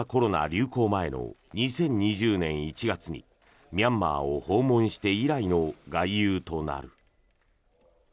流行前の２０２０年１月にミャンマーを訪問して以来の外遊となる。